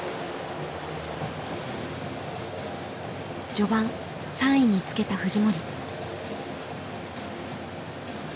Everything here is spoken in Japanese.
序盤３位につけた藤森。